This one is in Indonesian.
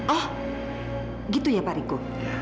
oh gitu ya pak riko